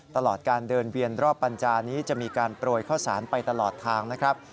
ตลอดการเดินเวียนรอบปัญจานี้จะมีการโปรยข้าวสารไปตลอดทางนะครับ